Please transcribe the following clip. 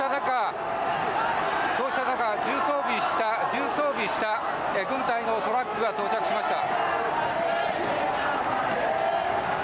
そうした中、重装備した軍隊のトラックが到着しました。